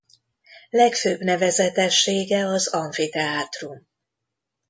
Legfőbb nevezetessége az amfiteátrum.